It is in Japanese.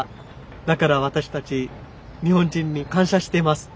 だから私たち日本人に感謝しています。